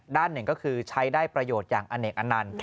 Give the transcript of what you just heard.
ด้านหนึ่งก็คือใช้ได้ประโยชน์อย่างอเนกอนันต์